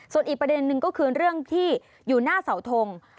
ส่วนอีกประเด็นนึงก็คือเรื่องที่อยู่หน้าเสาทง